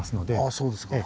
そうですか。